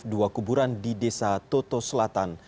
dua kuburan di desa toto selatan